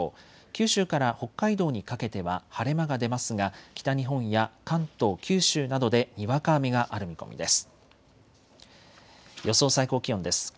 九州から北海道にかけては晴れ間が出ますが北日本や関東、九州などでにわか雨がある見込みです。